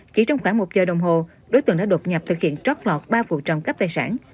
chỉ trong khoảng một giờ đồng hồ đối tượng đã đột nhập thực hiện trót lọt ba vụ trộm cắp tài sản